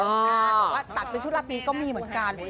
แต่ว่าตัดเป็นชุดราตรีก็มีเหมือนกัน